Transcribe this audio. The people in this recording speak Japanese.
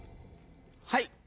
はい。